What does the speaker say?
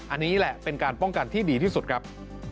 อันนี้แหละเป็นการป้องกันที่ดีที่สุดครับ